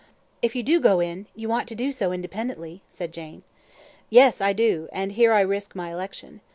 "If you go in, you want to do so independently," said Jane. "Yes, I do; and here I risk my election.